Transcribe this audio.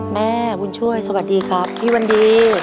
แม่บุญช่วยสวัสดีครับพี่วันดี